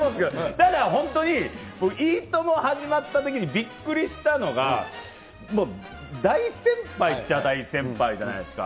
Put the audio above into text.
ただ本当にいいとも始まったときにびっくりしたのが、もう大先輩っちゃ大先輩じゃないですか。